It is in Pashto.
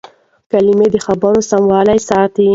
کلیمه د خبرو سموالی ساتي.